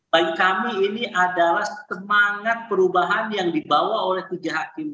bagi kami ini adalah semangat perubahan yang dibawa oleh tujuh hakim